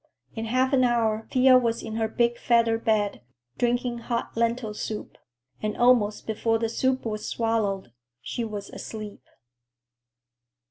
In half an hour Thea was in her big feather bed, drinking hot lentil soup, and almost before the soup was swallowed she was asleep.